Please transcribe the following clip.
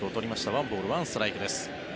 １ボール１ストライクです。